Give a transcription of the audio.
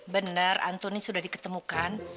bener antoni sudah diketemukan